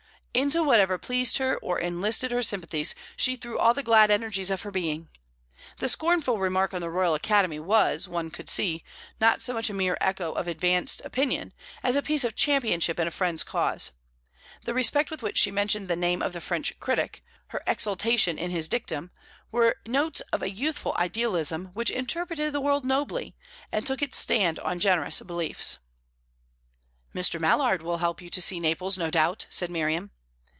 Into whatever pleased her or enlisted her sympathies, she threw all the glad energies of her being. The scornful remark on the Royal Academy was, one could see, not so much a mere echo of advanced opinion, as a piece of championship in a friend's cause. The respect with which she mentioned the name of the French critic, her exultation in his dictum, were notes of a youthful idealism which interpreted the world nobly, and took its stand on generous beliefs. "Mr. Mallard will help you to see Naples, no doubt," said Miriam.